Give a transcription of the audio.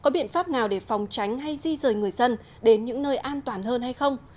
biện pháp nào để phòng tránh hay di rời người dân đến những nơi an toàn hơn hay không